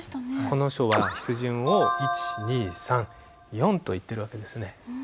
この書は筆順を１２３４といってる訳ですね。